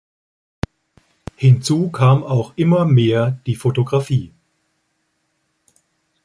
Hinzu kam auch immer mehr die Fotografie.